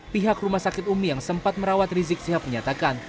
pihak rumah sakit umi yang sempat merawat rizik sihab menyatakan